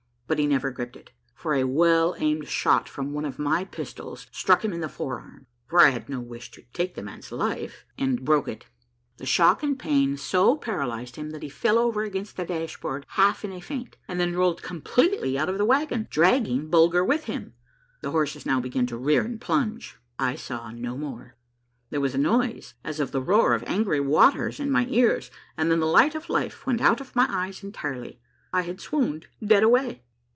But he never gripped it, for a well aimed shot from one of my pistols struck him in the forearm, for I had no wish to take the man's life, and broke it. The shock and the pain so j)aralyzed him that he fell over against the dashboard half in a faint, and then rolled completely out of the wagon, dragging Bulger with him. The horses now began to rear and plunge. I saw no more. There was a noise as of the roar of angry waters in my ears, and then the light of life went out of my eyes entirely. I had swooned dead away.